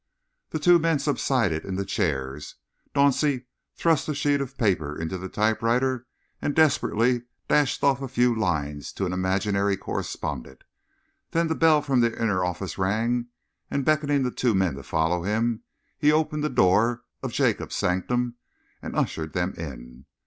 The two men subsided into chairs. Dauncey thrust a sheet of paper into a typewriter and desperately dashed off a few lines to an imaginary correspondent. Then the bell from the inner office rang, and, beckoning the two men to follow him, he opened the door of Jacob's sanctum and ushered them in.